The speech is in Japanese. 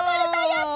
やった！